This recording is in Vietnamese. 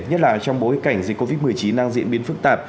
nhất là trong bối cảnh dịch covid một mươi chín đang diễn biến phức tạp